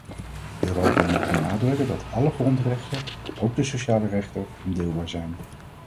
Europa moet benadrukken dat alle grondrechten, ook de sociale rechten, ondeelbaar zijn.